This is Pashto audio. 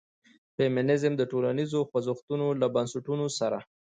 د فيمنيزم د ټولنيزو خوځښتونو له بنسټونو سره